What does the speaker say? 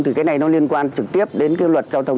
thì cái này nó liên quan trực tiếp đến cái luật giao thông